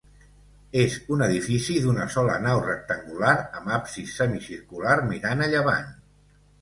És un edifici d'una sola nau rectangular amb absis semicircular mirant a llevant.